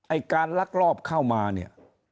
ไอ้การลักลอบเข้ามาเนี่ย